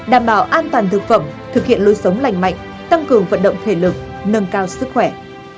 đảm bảo an toàn thực phẩm thực hiện lối sống lành mạnh tăng cường vận động thể lực nâng cao sức khỏe